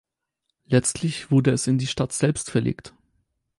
Letztlich wurde es in die Stadt selbst verlegt.